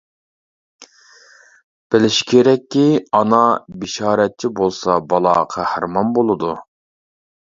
بىلىش كېرەككى، ئانا بېشارەتچى بولسا، بالا قەھرىمان بولىدۇ!